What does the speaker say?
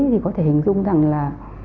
thì có thể hình dung rằng là